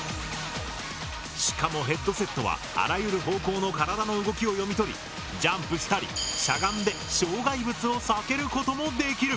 しかもヘッドセットはあらゆる方向の体の動きを読み取りジャンプしたりしゃがんで障害物を避けることもできる。